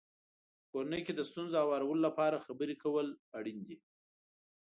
په کورنۍ کې د ستونزو هوارولو لپاره خبرې کول اړین دي.